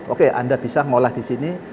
oke anda bisa mengolah di sini